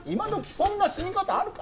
そんな死に方あるか？